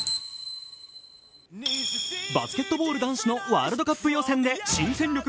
バスケットボール男子のワールドカップ予選で新戦力